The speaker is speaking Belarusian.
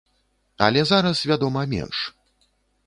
Але зараз, вядома, менш.